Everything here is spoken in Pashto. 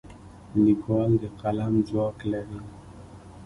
لیکوال د قلم ځواک لري.